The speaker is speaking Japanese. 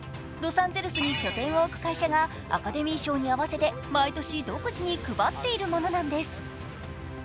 ロサンゼルスに拠点を置く会社がアカデミー賞に合わせて毎年独自に配っているものなんです。